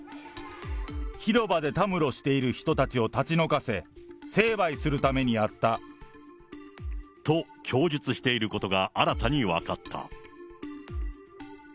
広場でたむろしている人たちを立ち退かせ、成敗するためにやと、供述していることが新たに分かった。